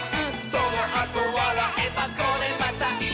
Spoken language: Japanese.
「そのあとわらえばこれまたイス！」